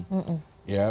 ya itu adalah